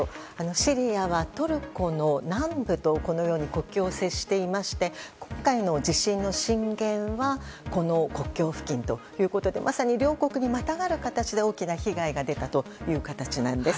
シリアはトルコの南部と国境を接していまして今回の地震の震源は国境付近ということでまさに両国にまたがる形で大きな被害が出たという形なんです。